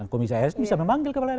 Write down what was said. komisi asn bisa memanggil kepala daerah